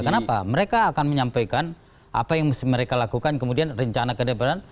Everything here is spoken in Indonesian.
kenapa mereka akan menyampaikan apa yang mereka lakukan kemudian rencana kedepanan